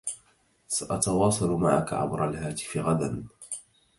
سأتواصل معك عبر الهاتف غدا.